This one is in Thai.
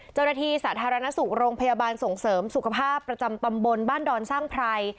เจ้าหน้าที่สาธารณสุขโรงพยาบาลส่งเสริมสุขภาพประจำตำบลบ้านดอนสร้างไพร